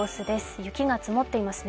雪が積もっていますね。